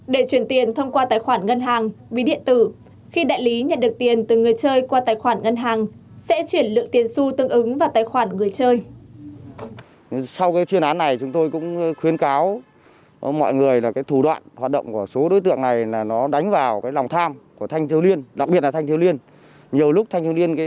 để chuyển tiền thông qua tài khoản ngân hàng mua tiền ảo su thông qua đạp má thẻ cào viễn thông tại các nhà mạng viễn thông